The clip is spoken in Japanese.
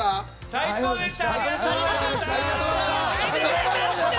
最高でした！